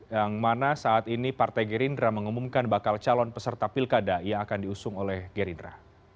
yang mana saat ini partai gerindra mengumumkan bakal calon peserta pilkada yang akan diusung oleh gerindra